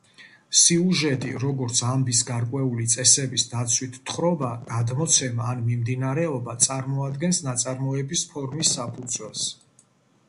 სიუჟეტი, როგორც ამბის გარკვეული წესების დაცვით თხრობა, გადმოცემა, ან მიმდინარეობა, წარმოადგენს ნაწარმოების ფორმის საფუძველს.